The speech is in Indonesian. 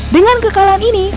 dengan kekalahan ini